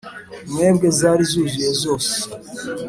mwebwe zari zuzuye zose